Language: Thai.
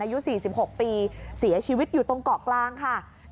อายุ๔๖ปีเสียชีวิตอยู่ตรงเกาะกลางค่ะ